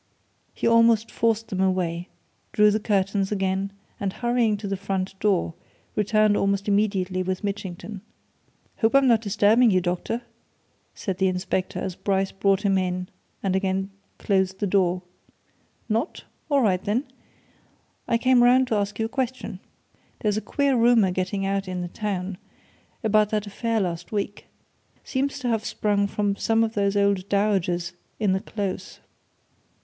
He almost forced them away, drew the curtains again, and hurrying to the front door, returned almost immediately with Mitchington. "Hope I'm not disturbing you, doctor," said the inspector, as Bryce brought him in and again closed the door. "Not? All right, then I came round to ask you a question. There's a queer rumour getting out in the town, about that affair last week. Seems to have sprung from some of those old dowagers in the Close."